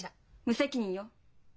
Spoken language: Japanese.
無責任よ。